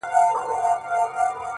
• د ورځي سور وي رسوایي پکښي..